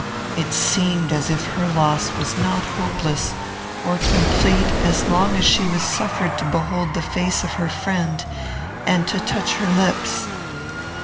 It seemed as if her loss was not hopeless or complete as long as she was suffered to behold the face of her friend and to touch her lips.